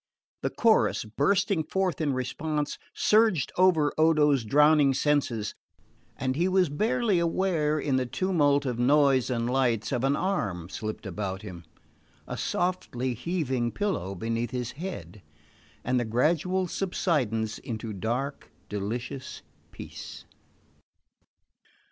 The chorus, bursting forth in response, surged over Odo's drowning senses, and he was barely aware, in the tumult of noise and lights, of an arm slipped about him, a softly heaving pillow beneath his head, and the gradual subsidence into dark delicious peace.